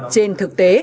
trên thực tế